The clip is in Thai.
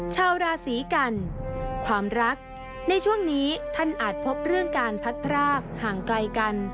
ชาวราศีกันความรักในช่วงนี้ท่านอาจพบเรื่องการพัดพรากห่างไกลกัน